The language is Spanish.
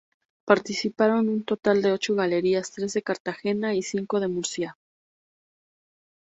Participaron un total de ocho galerías, tres de Cartagena y cinco de Murcia.